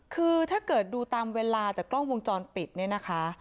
คือถ้าเกิดดูตามเวลาจากกล้องวงจรปิดเนี่ยนะคะ